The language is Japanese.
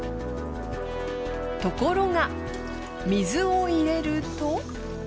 ところが水を入れると。